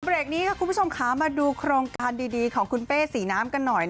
เบรกนี้ค่ะคุณผู้ชมค่ะมาดูโครงการดีของคุณเป้สีน้ำกันหน่อย